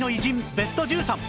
ベスト１３